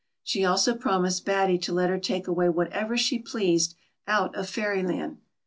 She also promised Batty to let her take away whatever she pleased out of Fairyland.